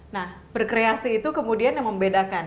nah berkreasi itu kemudian yang membedakan